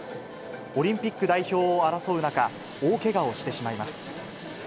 オリンピック代表を争う中、大けがをしてしまいます。